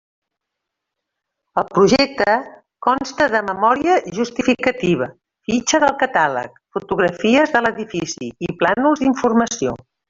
El projecte consta de memòria justificativa, fitxa del catàleg, fotografies de l'edifici i plànols d'informació.